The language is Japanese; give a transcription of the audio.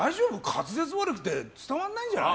滑舌悪くて伝わらないんじゃない。